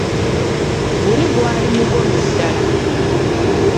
Guli gwali mugomyo ddala!